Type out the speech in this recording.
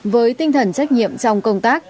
với tinh thần trách nhiệm trong công tác